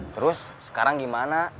terus sekarang gimana